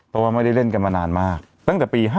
เพราะว่าไม่ได้เล่นกันมานานมากตั้งแต่ปี๕๗